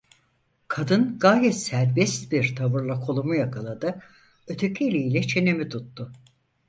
Kadın, gayet serbest bir tavırla kolumu yakaladı, öteki eliyle çenemi tuttu.